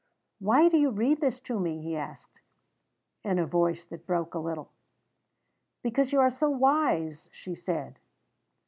"Why do you read this to me?" he asked, in a voice that broke a little. "Because you are so wise," she said.